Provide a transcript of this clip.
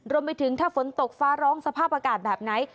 รวมไปถึงถ้าฝนตกฟ้าร้องสภาพอากาศแบบไหน